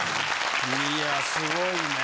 いやすごいね。